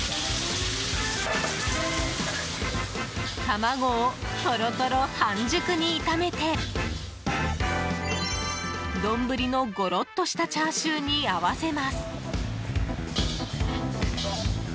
卵をとろとろ半熟に炒めて丼のゴロっとしたチャーシューに合わせます。